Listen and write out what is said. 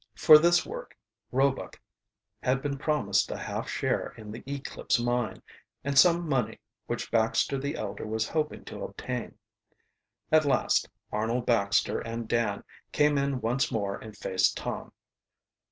For this work Roebuck had been promised a half share in the Eclipse Mine, and of some money which Baxter the elder was hoping to obtain. At last Arnold Baxter and Dan came in once more and faced Tom.